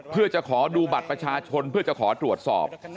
เพื่อจะขอดูบัตรประชาชนเพื่อจะขอตรวจสอบ